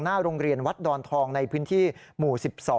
หน้าโรงเรียนวัดดอนทองในพื้นที่หมู่๑๒